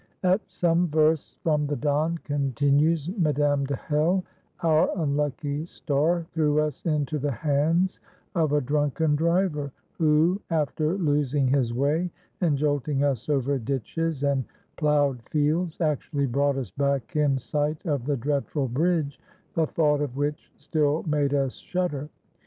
"At some versts from the Don," continues Madame de Hell, "our unlucky star threw us into the hands of a drunken driver, who, after losing his way, and jolting us over ditches and ploughed fields, actually brought us back in sight of the dreadful bridge, the thought of which still made us shudder.